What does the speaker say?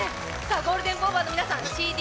ゴールデンボンバーの皆さんＣＤ